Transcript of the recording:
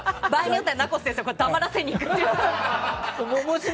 場合によっては名越先生を黙らせに行くかも。